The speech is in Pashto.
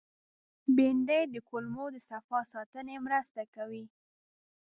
بېنډۍ د کولمو د صفا ساتنې مرسته کوي